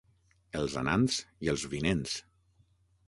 Els anants i els vinents.